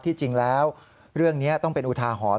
จริงแล้วเรื่องนี้ต้องเป็นอุทาหรณ์